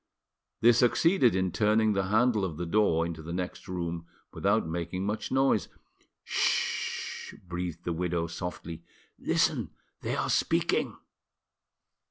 They succeeded in turning the handle of the door into the next room without making much noise. "'Sh!" breathed the widow softly; "listen, they are speaking."